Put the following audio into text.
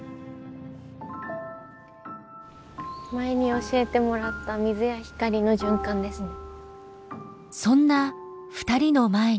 前に教えてもらった水や光の循環ですね。